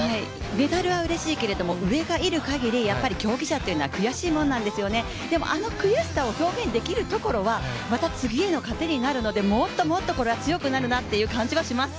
メダルはうれしいけれども上がいるかぎりやっぱり競技者というのは悔しいものなんですよね、でもあの悔しさを表現できるっていうところはまた次への糧になるのでもっともっと、強くなるなという感じはします。